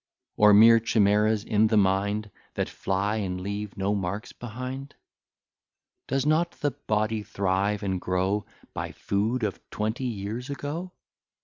Or mere chimeras in the mind, That fly, and leave no marks behind? Does not the body thrive and grow By food of twenty years ago?